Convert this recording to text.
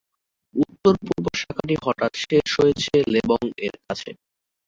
উত্তর-পূর্ব শাখাটি হঠাৎ শেষ হয়েছে লেবং-এর কাছে।